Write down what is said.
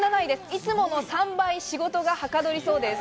いつもの３倍、仕事がはかどりそうです。